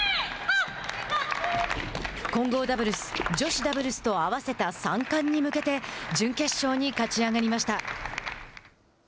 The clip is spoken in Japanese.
混合ダブルス、女子ダブルスと合わせた三冠に向けて準決勝に勝ち上がりました。